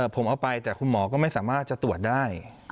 ผมเอาไปแต่คุณหมอก็ไม่สามารถจะตรวจได้